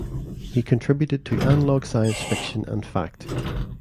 He contributed to "Analog Science Fiction and Fact".